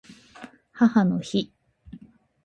母の日